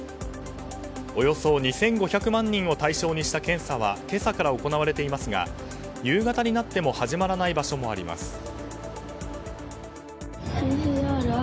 およそ２５００万人を対象にした検査は今朝から行われていますが夕方になっても始まらない場所もあります。